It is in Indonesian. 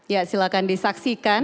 ya silahkan disaksikan